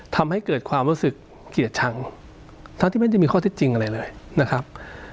ทำให้เกิดความรู้สึกเกลียดชังทั้งที่ไม่ได้มีข้อเท็จจริงอะไรเลยนะครับ